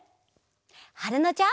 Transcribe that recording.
はるのちゃん。